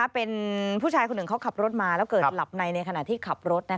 เป็นผู้ชายคนหนึ่งเขาขับรถมาแล้วเกิดหลับในในขณะที่ขับรถ